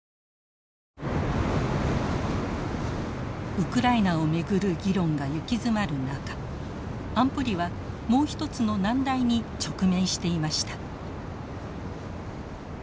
ウクライナを巡る議論が行き詰まる中安保理はもうひとつの難題に直面していました。